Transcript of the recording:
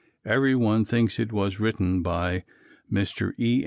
Every one thinks it was written by Mr. E.